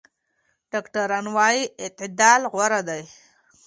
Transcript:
ډاکټران وايي اعتدال غوره دی.